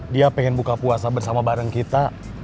dia pengen buka puasa bersama bareng kita